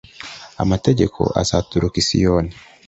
amategeko azaturuka i Siyoni